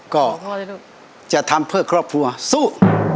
ก็จะทำเพื่อครอบครัวสู้